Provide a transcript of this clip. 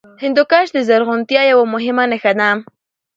هندوکش د زرغونتیا یوه مهمه نښه ده.